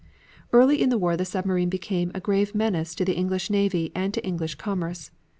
Early in the war the submarine became a grave menace to the English navy and to English commerce.